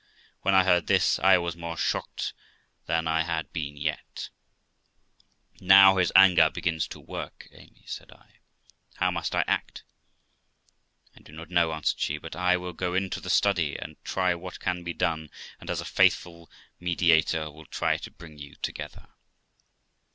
When I heard this, I was more shocked than I had been yet 'Now his anger begins to work, Amy', said I. 'how must I act?' 'I do not know', answered she. 'but I will THE LIFE OF ROXANA 411 go into trie study, and try what can be done, and, as a faithful mediator, will try to bring you together.'